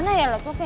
nah ya lo cukup ya